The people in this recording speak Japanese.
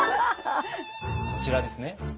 こちらですね。